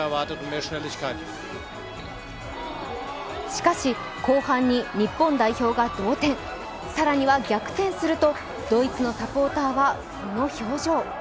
しかし、後半に日本代表が同点、更には逆転するとドイツのサポーターはこの表情。